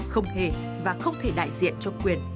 không thể và không thể đại diện cho quyền